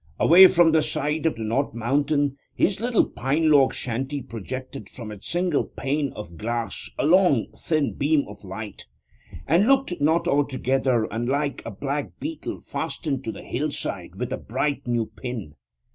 Away up the side of the North Mountain his little pine log shanty projected from its single pane of glass a long, thin beam of light, and looked not altogether unlike a black beetle fastened to the hillside with a bright new pin.